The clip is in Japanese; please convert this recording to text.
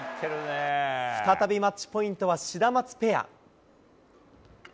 再びマッチポイントはシダマツペア。